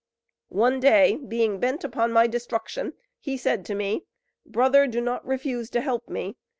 "One day, being bent upon my destruction, he said to me: "'Brother, do not refuse to help me.